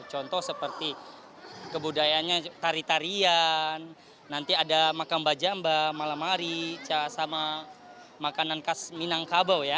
contoh seperti kebudayaannya tari tarian nanti ada makan bajamba malamari sama makanan kas minangkabau ya